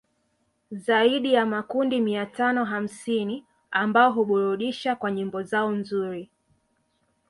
Zaidi ya makundi mia tano hamsini ambao huburudisha kwa nyimbo zao nzuri